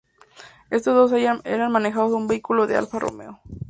En todos ellos manejando un vehículo de Alfa Romeo.